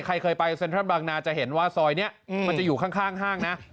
ใครเคยไปเซ็นทรัลบางนาจะเห็นว่าซอยนี้มันจะอยู่ข้างห้างนะ